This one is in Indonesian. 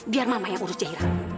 biar mama yang urus jahitan